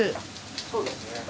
そうですね。